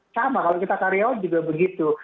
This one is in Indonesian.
sama kalau kita karyawan juga begitu